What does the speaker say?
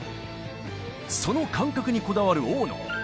その感覚にこだわる大野。